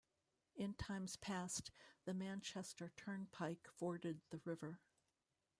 In times past the Manchester Turnpike forded the river.